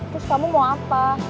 terus kamu mau apa